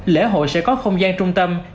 lễ hội sẽ có không gian trung tâm